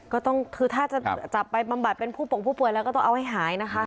ก็คือถ้าจะจับไปบำบัดเป็นผู้ปกผู้ป่วยแล้วก็ต้องเอาให้หายนะคะ